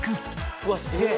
うわっすげえ！